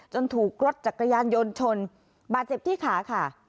จนถูกรดจากกระยานยนต์ชนบาดเจ็บที่ขา